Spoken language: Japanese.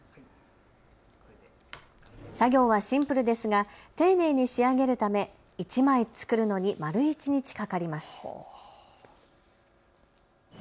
作業はシンプルですが丁寧に仕上げるため１枚作るのに丸一日かかります。